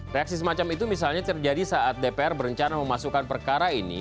reaksi semacam itu misalnya terjadi saat dpr berencana memasukkan perkara ini